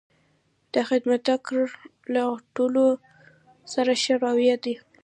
دا خدمتګر له ټولو سره ښه رویه لري.